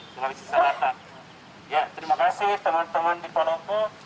terima kasih teman teman di palauku